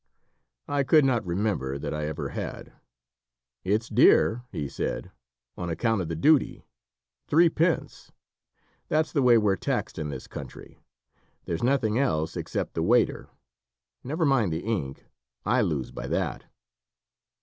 I could not remember that I ever had. "It's dear," he said, "on account of the duty. Threepence. That's the way we're taxed in this country. There's nothing else, except the waiter. Never mind the ink! I lose by that."